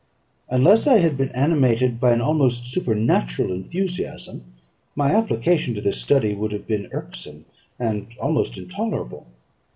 Unless I had been animated by an almost supernatural enthusiasm, my application to this study would have been irksome, and almost intolerable.